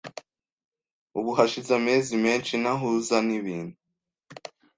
Ubu hashize amezi menshi ntahuza nibintu.